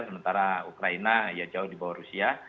sementara ukraina ya jauh di bawah rusia